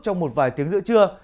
trong một vài tiếng giữa trưa